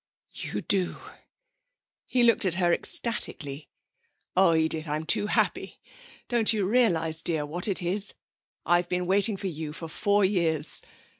'You do!' He looked at her ecstatically. 'Oh, Edith! I'm too happy! Do you quite realise, dear, what it is?... I've been waiting for you for four years.